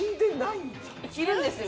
いるんですよ。